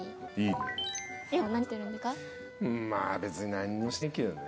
まあ別に何もしてないけどね。